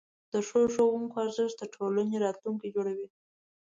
د ښو ښوونکو ارزښت د ټولنې راتلونکی جوړوي.